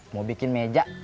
mau bikin meja